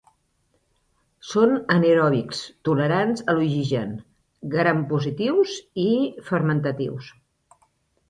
Són anaeròbics tolerants a l’oxigen, grampositius i fermentatius.